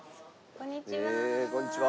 こんにちは。